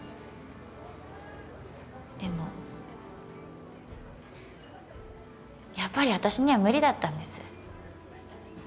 でもやっぱり私には無理だったんです。